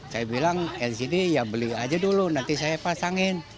saya bilang dari sini ya beli aja dulu nanti saya pasangin